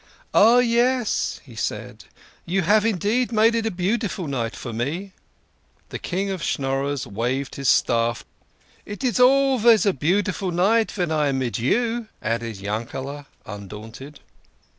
" Ah, yes," he said, " you have indeed made it a beau diful night for me." The King of Schnorrers waved his staff deprecatingly. " It is alvays a beaudiful night ven I am mid you," added Yankeld, undaunted.